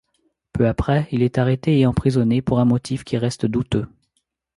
Peu après, il est arrêté et emprisonné pour un motif qui reste douteux.